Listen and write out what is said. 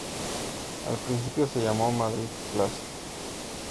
Al principio se llamó Madrid Plaza.